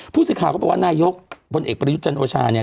ผู้สื่อข่าวเขาบอกว่านายกพลเอกประยุทธ์จันโอชาเนี่ย